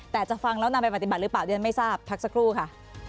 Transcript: แต่จะฟังแล้วนำไปปฏิบัติหรือเปล่าเรียนไม่ทราบพักสักครู่ค่ะ